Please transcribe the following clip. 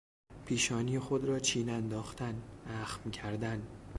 پیشانی خود را چین انداختن، اخم کردن